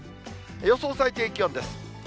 予想最低気温です。